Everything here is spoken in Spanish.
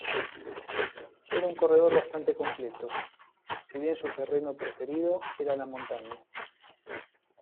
Era un corredor bastante completo, si bien su terreno preferido era la montaña.